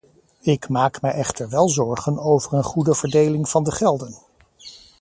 Ik maak mij wel echter zorgen over een goede verdeling van de gelden.